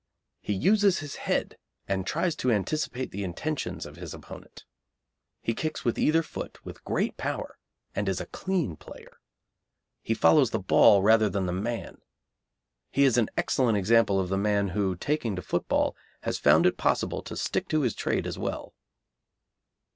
He uses his head, and tries to anticipate the intentions of his opponent. He kicks with either foot with great power, and is a clean player. He follows the ball rather than the man. He is an excellent example of the man who, taking to football, has found it possible to stick to his trade as well.